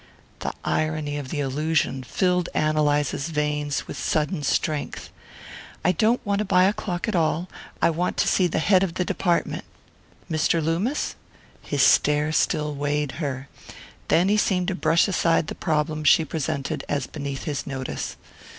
The irony of the allusion filled Ann Eliza's veins with sudden strength. "I don't want to buy a clock at all. I want to see the head of the department." "Mr. Loomis?" His stare still weighed her then he seemed to brush aside the problem she presented as beneath his notice.